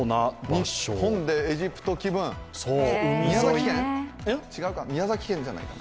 日本でエジプト気分宮崎県じゃないか。